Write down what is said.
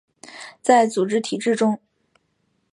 在组织体制中